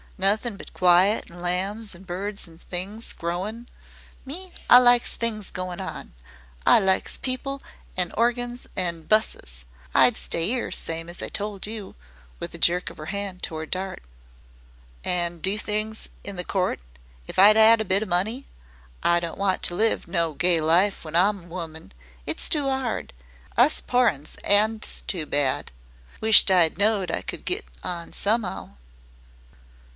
Nothin' but quiet an' lambs an' birds an' things growin.' Me, I likes things goin' on. I likes people an' 'and organs an' 'buses. I'd stay 'ere same as I told YOU," with a jerk of her hand toward Dart. "An' do things in the court if I 'ad a bit o' money. I don't want to live no gay life when I 'm a woman. It's too 'ard. Us pore uns ends too bad. Wisht I knowed I could get on some 'ow."